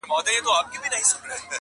ډېر پخوا د نیل پر غاړه یو قاتل وو.!